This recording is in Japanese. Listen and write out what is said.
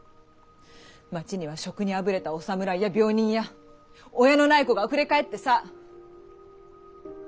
町には職にあぶれたお侍や病人や親のない子があふれかえってさ。